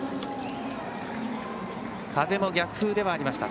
風も逆風ではありました。